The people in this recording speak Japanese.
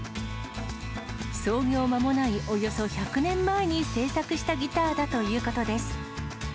創業間もないおよそ１００年前に制作したギターだということです。